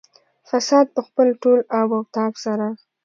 فساد په خپل ټول آب او تاب سره.